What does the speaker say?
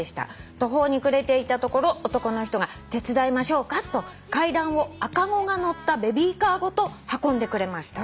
途方に暮れていたところ男の人が『手伝いましょうか？』と階段を赤子が乗ったベビーカーごと運んでくれました」